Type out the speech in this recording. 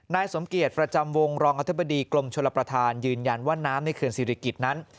นายสมเกียจประจำวงรองอธิบดีกรมชลประธานยืนยันว่าน้ำในเขื่อนศิริกิจนั้น